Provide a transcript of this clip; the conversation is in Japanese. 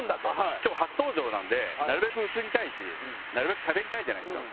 今日初登場なのでなるべく映りたいしなるべくしゃべりたいじゃないですか。